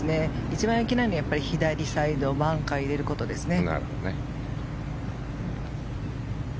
一番いけないのは左サイドバンカーに入れることですね。